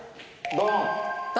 ドン！